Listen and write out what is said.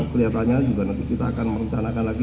kita akan merencanakan lagi